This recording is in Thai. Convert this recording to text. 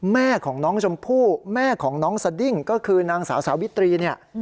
แม่ของน้องชมพู่แม่ของน้องสดิ้งก็คือนางสาวสาวิตรีเนี่ย